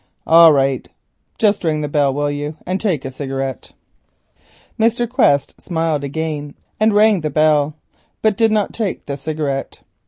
"All right. Just ring the bell, will you, and take a cigarette?" Mr. Quest smiled again and rang the bell, but did not take the cigarette.